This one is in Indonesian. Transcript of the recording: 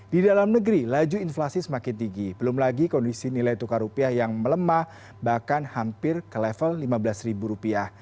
di dalam negeri laju inflasi semakin tinggi belum lagi kondisi nilai tukar rupiah yang melemah bahkan hampir ke level lima belas ribu rupiah